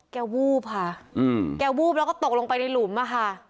วูบค่ะแกวูบแล้วก็ตกลงไปในหลุมอะค่ะ